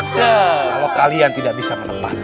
kalau kalian tidak bisa menemani